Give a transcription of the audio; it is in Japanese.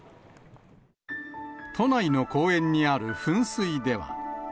都内に公園にある噴水では。